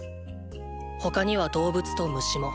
他には動物と虫も。